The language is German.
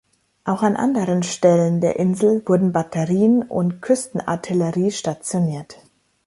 Auch an anderen Stellen der Insel wurden Batterien und Küstenartillerie stationiert.